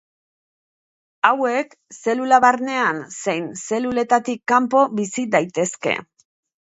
Hauek zelula barnean zein zeluletatik kanpo bizi daitezke.